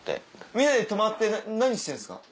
みんなで泊まって何してんですか？